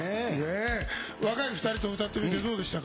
若い２人と歌ってみてどうでしたか。